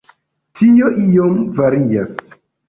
Tio iom varias.